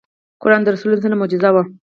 قرآن د رسول الله ص معجزه وه .